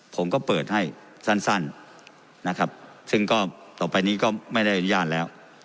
ผมก็เปิดให้สั้นนะครับซึ่งก็ต่อไปนี้ก็ไม่ได้อนุญาตแล้ว